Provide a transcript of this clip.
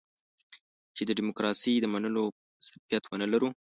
چې د ډيموکراسۍ د منلو ظرفيت ونه لرو.